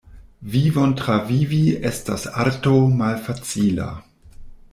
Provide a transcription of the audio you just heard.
Vivon travivi estas arto malfacila.